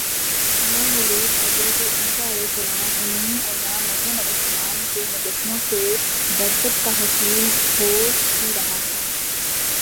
نومولود حضرت عیسی ؑ اور نیم عریاں مریم ؑ کے مجسموں سے تو برکت کا حصول ہو ہی رہا ہے